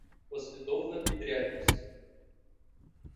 Послідовна підрядність